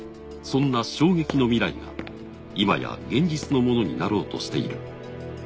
そんな衝撃の未来がいまや現実のものになろうとしている。